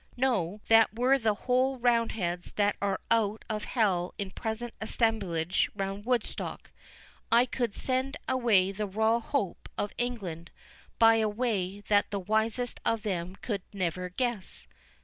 —Know, that were the whole roundheads that are out of hell in present assemblage round Woodstock, I could send away the Royal Hope of England by a way that the wisest of them could never guess.